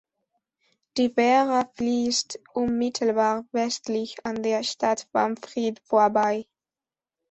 Die Werra fließt unmittelbar westlich an der Stadt Wanfried vorbei.